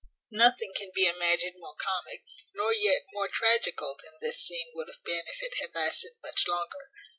Nothing can be imagined more comic, nor yet more tragical, than this scene would have been if it had lasted much longer.